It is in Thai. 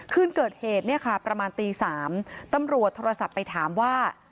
คืนเกิดเหตุเนี่ยค่ะประมาณตี๓ตำรวจโทรศัพท์ไปถามว่า